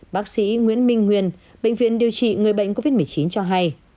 bác sĩ nguyễn minh nguyên bệnh viện điều trị người bệnh covid một mươi chín cho hay